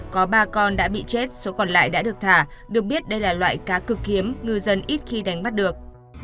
có ba con đã bị chết số còn lại đã được thả được biết đây là loại cá cực kiếm ngư dân ít khi đánh bắt được